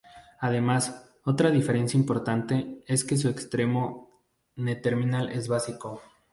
Además, otra diferencia importante es que su extremo N-terminal es básico.